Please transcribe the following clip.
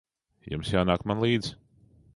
Jums jānāk man līdzi.